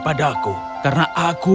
padaku karena aku